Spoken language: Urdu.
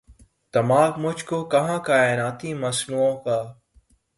دماغ مجھ کو کہاں کائناتی مسئلوں کا